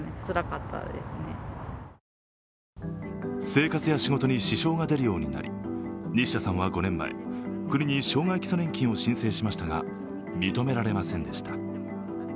生活や仕事に支障が出るようになり、西田さんは５年前、国に障害基礎年金を申請しましたが認められませんでした。